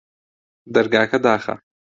دەرگاکە داخە